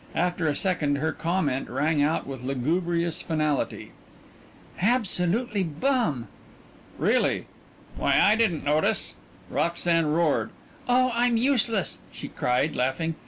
After a second her comment rang out with lugubrious finality: "Absolutely bum!" "Really " "Why, I didn't notice " Roxanne roared. "Oh, I'm useless," she cried laughing.